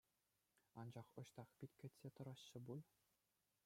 Анчах ӑҫтах пит кӗтсе тӑраҫҫӗ пуль?